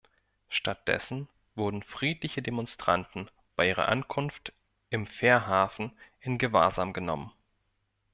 Statt dessen wurden friedliche Demonstranten bei ihrer Ankunft im Fährhafen in Gewahrsam genommen.